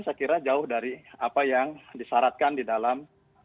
saya kira jauh dari apa yang disyaratkan di dalam